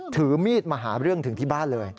ถือมีดมาหาเรื่องถึงที่บ้านเลย